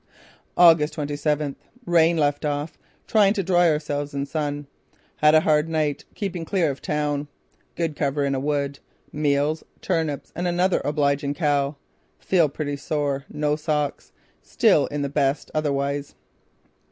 "August twenty seventh: Rain left off. Trying to dry ourselves in sun. Had a hard night keeping clear of town. Good cover in a wood. Meals: turnips and another obliging cow. Feet pretty sore. No socks. Still in the best otherwise."